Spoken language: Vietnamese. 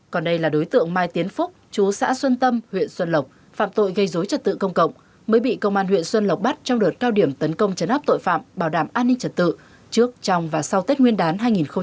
còn đây là đối tượng mai tiến phúc chú xã xuân tâm huyện xuân lộc phạm tội gây dối trật tự công cộng mới bị công an huyện xuân lộc bắt trong đợt cao điểm tấn công chấn áp tội phạm bảo đảm an ninh trật tự trước trong và sau tết nguyên đán hai nghìn hai mươi bốn